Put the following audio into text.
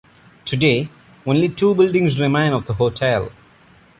Today, only two buildings remain of the hotel.